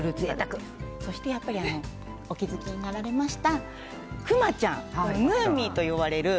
そしてやっぱりお気づきになられましたくまちゃん。